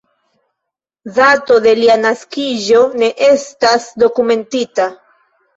Dato de lia naskiĝo ne estas dokumentita.